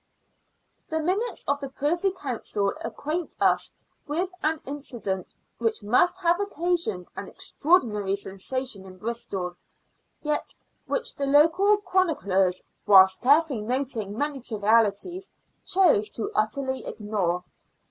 The minutes of the Privy Council acquaint us with an EXTRAORDINARY FEUDAL CLAIM. 85 incident which must have occasioned an extraordinary sensation in Bristol, yet which the local chroniclers, whilst carefully noting many trivialities, chose to utterly ignore.